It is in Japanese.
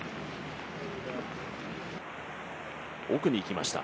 奥にいきました。